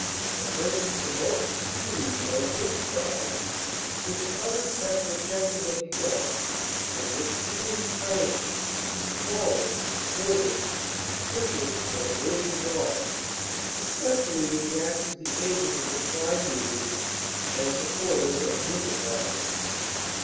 A person promotes a scheme or an enterprise which others have projected or begun, and which he encourages, forwards, furthers, pushes, or urges on, especially when he acts as the agent of the prime movers and supporters of the enterprise.